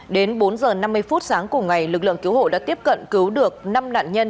đến bốn h năm mươi phút sáng cùng ngày lực lượng cứu hộ đã tiếp cận cứu được năm nạn nhân